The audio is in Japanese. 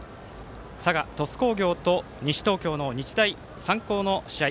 佐賀、鳥栖工業と西東京の日大三高の試合。